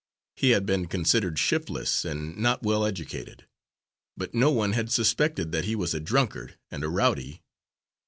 He had been considered shiftless and not well educated, but no one had suspected that he was a drunkard and a rowdy.